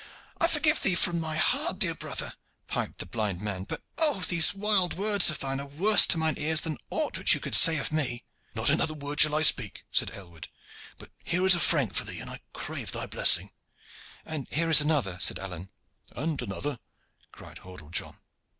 "I forgive thee from my heart, dear brother," piped the blind man. "But, oh, these wild words of thine are worse to mine ears than aught which you could say of me." "Not another word shall I speak," said Aylward; "but here is a franc for thee and I crave thy blessing." "And here is another," said Alleyne. "And another," cried Hordle John.